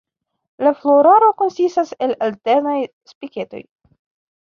La floraro konsistas el alternaj spiketoj.